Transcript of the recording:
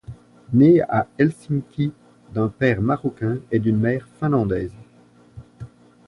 Née à Helsinki d'un père marocain et d'une mère finlandaise.